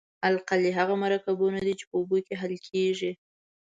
القلي هغه مرکبونه دي چې په اوبو کې حل کیږي.